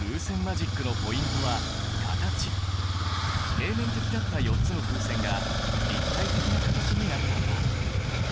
平面的だった４つの風船が立体的な形になったんだ。